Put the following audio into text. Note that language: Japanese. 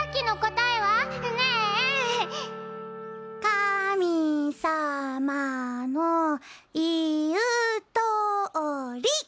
カミさまのいうとおり！